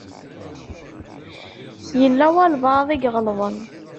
Yella walebɛaḍ i iɣelḍen.